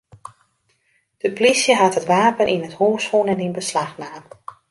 De plysje hat it wapen yn it hús fûn en yn beslach naam.